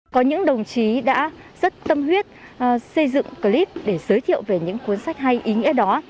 có những đồng chí đã rất tâm huyết xây dựng clip để giới thiệu về những cuốn sách hay ý nghĩa đó